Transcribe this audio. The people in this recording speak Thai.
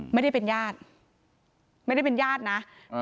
ไม่ได้เป็นญาติไม่ได้เป็นญาตินะ